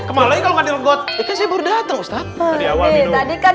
kemarin kalau nggak diregot ya kan saya baru datang ustadz tadi awal minum tadi kan